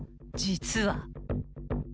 ［実は］